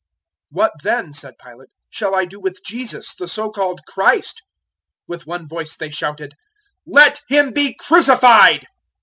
027:022 "What then," said Pilate, "shall I do with Jesus, the so called Christ?" With one voice they shouted, "Let him be crucified!"